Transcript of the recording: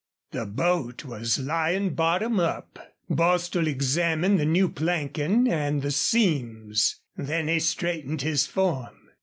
The boat was lying bottom up. Bostil examined the new planking and the seams. Then he straightened his form.